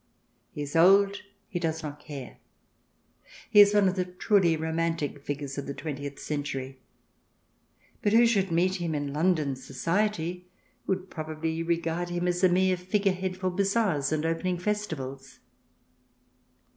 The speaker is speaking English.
He is old, he does not care. He is one of the truly romantic figures of the twentieth century. But who should meet him in London society would probably regard him as a mere figure head for Bazaars and Opening Festivals.